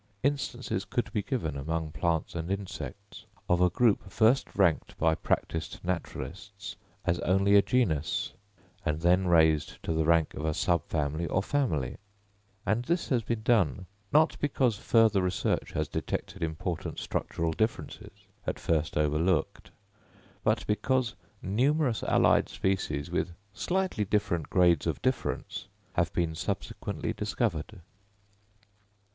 Instances could be given among plants and insects, of a group first ranked by practised naturalists as only a genus, and then raised to the rank of a subfamily or family; and this has been done, not because further research has detected important structural differences, at first overlooked, but because numerous allied species, with slightly different grades of difference, have been subsequently discovered.